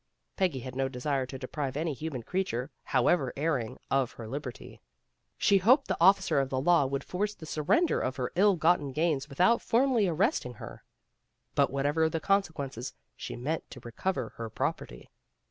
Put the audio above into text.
Peggy had no desire to deprive any human creature, however erring, of her liberty. She hoped the officer of the law would force the surrender of her ill gotten gains without formally arresting her. But whatever the consequences^ she meant to recover her property.